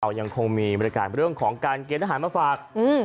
ยังคงมีบริการเรื่องของการเกณฑ์ทหารมาฝากอืม